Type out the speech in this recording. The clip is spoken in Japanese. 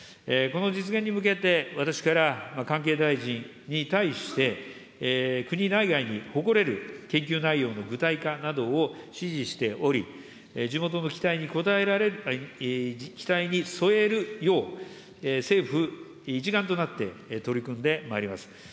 この実現に向けて、私から、関係大臣に対して、国内外に誇れる研究内容の具体化などを指示しており、地元の期待に沿えるよう、政府一丸となって、取り組んでまいります。